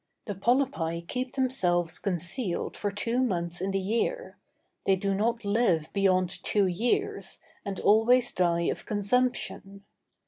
The polypi keep themselves concealed for two months in the year; they do not live beyond two years, and always die of consumption.